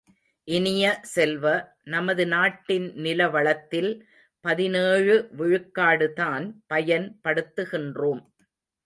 இனிய செல்வ, நமது நாட்டின் நிலவளத்தில் பதினேழு விழுக்காடுதான் பயன் படுத்துகின்றோம்.